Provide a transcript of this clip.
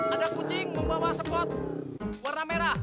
ada kucing membawa spot warna merah